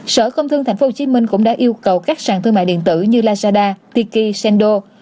sở công thương tp hcm cũng đã yêu cầu các sàn thương mại điện tử như lazada tiki sendo